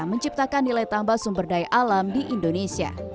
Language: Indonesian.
menciptakan nilai tambah sumber daya alam di indonesia